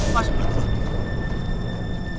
mas berat dulu